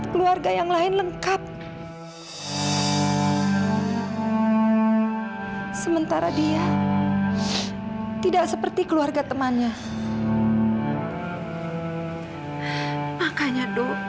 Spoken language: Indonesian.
sampai jumpa di video selanjutnya